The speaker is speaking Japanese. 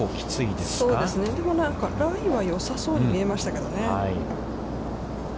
でも、ラインは、よさそうに見えましたけどね。